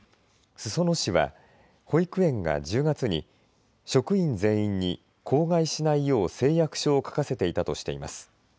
裾野市は保育園が１０月に職員全員に口外しないよう誓約書を書かせていたとしています。